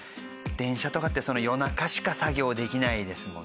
電車とかって夜中しか作業できないですもんね。